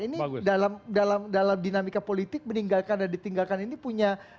ini dalam dinamika politik meninggalkan dan ditinggalkan ini punya